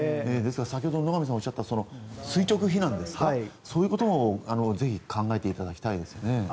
先ほど野上さんがおっしゃった垂直避難ですか、そういうこともぜひ考えていただきたいですね。